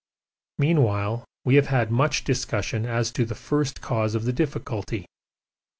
Meanwhile we have had much discussion as to the first cause of the difficulty.